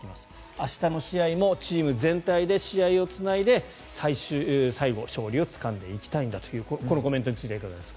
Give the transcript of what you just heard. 明日の試合もチーム全体で試合をつないで最後、勝利をつかんでいきたいんだというこのコメントについてはいかがですか。